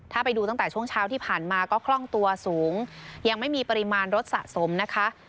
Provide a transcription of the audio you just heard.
ถ้าไปดูตั้งแต่ช่วงเช้าที่ผ่านมาก็คล่องตัวสูงยังไม่มีปริมาณรถสะสมนะคะ